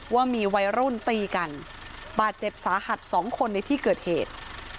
ว่ามีวัยรุ่นตีกันบาดเจ็บสาหัส๒คนในที่เกิดเหตุ